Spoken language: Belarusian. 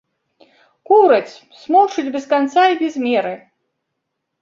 Кураць, смокчуць без канца і без меры!